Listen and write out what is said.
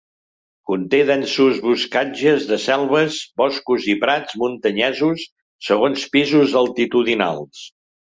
Conté densos boscatges de selves, boscos i prats muntanyesos segons pisos altitudinals.